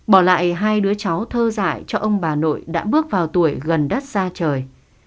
bỏ lại hai đứa cháu thơ dại cho ông bà nội đã bước vào tuổi gần đất xa trời